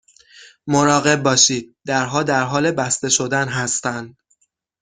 مراقب باشید، درها در حال بسته شدن هستند.